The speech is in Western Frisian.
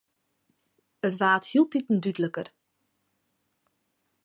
It waard hieltiten dúdliker.